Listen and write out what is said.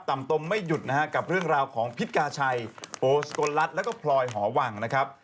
ตมไม่หยุดนะฮะกับเรื่องราวของพิษกาชัยโอสกลรัฐแล้วก็พลอยหอวังนะครับ